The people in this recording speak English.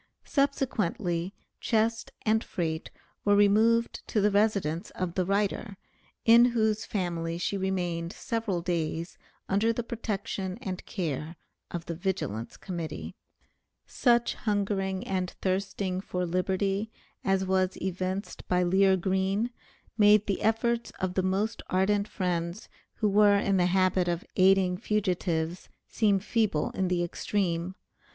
Subsequently chest and freight were removed to the residence of the writer, in whose family she remained several days under the protection and care of the Vigilance Committee. Such hungering and thirsting for liberty, as was evinced by Lear Green, made the efforts of the most ardent friends, who were in the habit of aiding fugitives, seem feeble in the extreme.